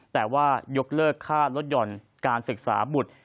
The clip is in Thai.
แต่ว่ายกเลิกค่าลดหย่อนการศึกษาบุตร